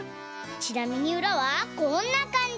ちなみにうらはこんなかんじ！